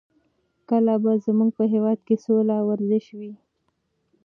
کله به زموږ په هېواد کې سوله او ورزش وي؟